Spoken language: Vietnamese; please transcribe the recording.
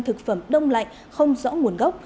thực phẩm đông lạnh không rõ nguồn gốc